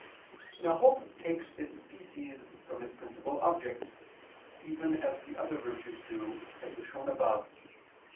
Now hope takes its species from its principal object, even as the other virtues do, as was shown above (Q.